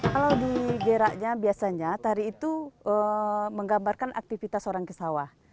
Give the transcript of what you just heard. kalau di geraknya biasanya tari itu menggambarkan aktivitas orang ke sawah